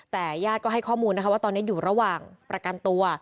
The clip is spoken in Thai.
แต่ญาติก็ให้ข้อมูลนะคะว่าตอนนี้อยู่ระหว่างประกันตัว